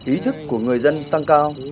ý thức của người dân tăng cao